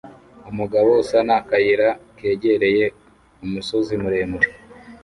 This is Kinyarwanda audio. Umugabo usana akayira kegereye umusozi muremure